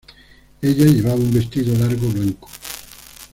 Ella llevaba un vestido largo blanco.